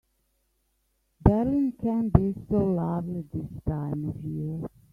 Berlin can be so lovely this time of year.